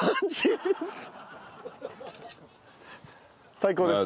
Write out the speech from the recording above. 最高です。